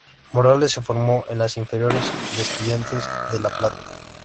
Morales, se formó en las Inferiores de Estudiantes de La Plata.